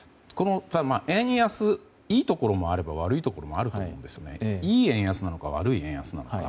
円安、いいところもあれば悪いところもあると思いますがいい円安なのか、悪い円安なのか